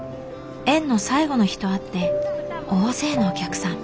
園の最後の日とあって大勢のお客さん。